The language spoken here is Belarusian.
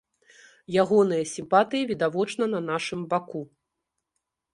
Ягоныя сімпатыі відавочна на нашым баку.